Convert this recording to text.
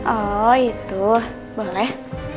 oh itu boleh